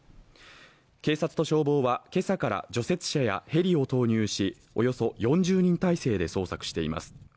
警察と消防は今朝から除雪車やヘリを投入しおよそ４０人態勢で捜索しています。